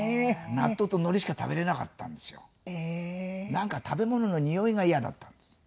なんか食べ物のにおいがイヤだったんです。